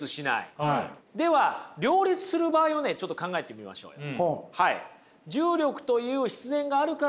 では両立する場合をねちょっと考えてみましょうよ。